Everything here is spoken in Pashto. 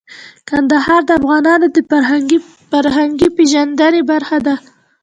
کندهار د افغانانو د فرهنګي پیژندنې برخه ده.